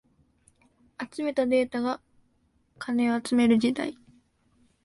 集めたデータが金を集める時代